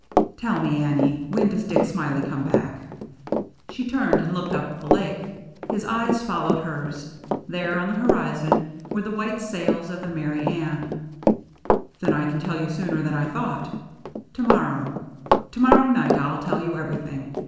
" Tell me, Annie, when does Dick Smiley come back ?" She turned and looked up the Lake. His eyes followed hers ; there, on the horizon, were the white sails of the Merry Anne. 178 THE MERRY ANNE " Then I can tell you sooner than I thought — tc morrow. To morrow night I'll tell you everything.